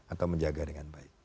atau menjaga dengan baik